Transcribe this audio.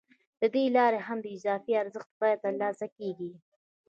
له دې لارې هم د اضافي ارزښت بیه ترلاسه کېږي